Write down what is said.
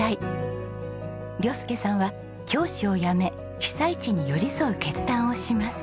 亮佑さんは教師を辞め被災地に寄り添う決断をします。